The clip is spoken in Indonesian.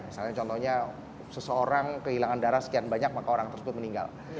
misalnya contohnya seseorang kehilangan darah sekian banyak maka orang tersebut meninggal